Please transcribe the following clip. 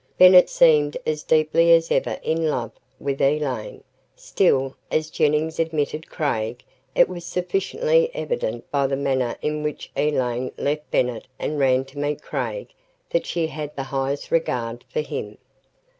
Bennett seemed as deeply as ever in love with Elaine. Still, as Jennings admitted Craig, it was sufficiently evident by the manner in which Elaine left Bennett and ran to meet Craig that she had the highest regard for him.